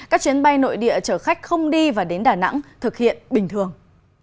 các chuyến bay nội địa chở khách không đi và đến đà nẵng thực hiện bình thường